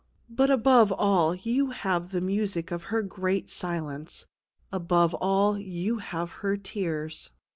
But, above all, you have the music of her great silence ; above all, you have her tears.